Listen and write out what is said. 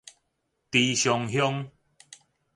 池上鄉